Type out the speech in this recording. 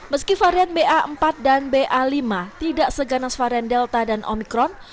meski varian ba empat dan ba lima tidak seganas varian delta dan omikron